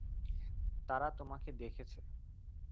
তারা তোমাকে দেখেছে।